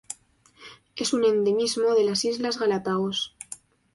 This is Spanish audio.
Es un endemismo de las islas Galápagos.